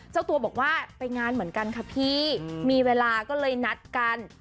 เจ้าตัวบอกว่าไปงานเหมือนกันค่ะพี่มีเวลาก็เลยนัดกัน